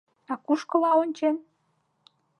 — А кушкыла ончен?